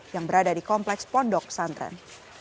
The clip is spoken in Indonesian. yang berada di kompleks pondok pesantren